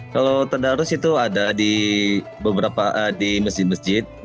kalau tadarus itu ada di masjid masjid